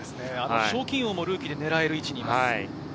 賞金王もルーキーで狙える位置にいます。